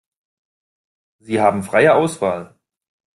Sie haben freie Auswahl.